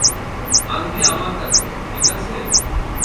আংটি আমার কাছে, - ঠিক আছে।